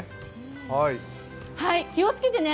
気をつけてね。